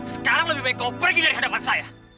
sekarang lebih baik kau pergi dari hadapan saya